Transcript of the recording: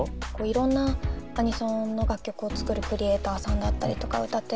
いろんなアニソンの楽曲を作るクリエイターさんだったりとか歌っ